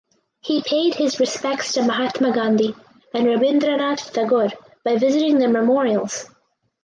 He paid his respects to Mahatma Gandhi and Rabindranath Tagore by visiting their memorials.